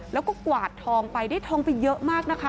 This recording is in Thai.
แล้วก็กวาดทองไปได้ทองไปเยอะมากนะคะ